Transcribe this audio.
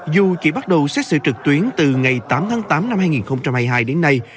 dù chỉ bắt đầu xét xử trực tuyến từ ngày tám tháng tám năm hai nghìn hai mươi hai đến nay